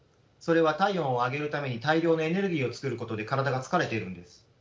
それは体温を上げるために大量のエネルギーを作ることで体が疲れているんです。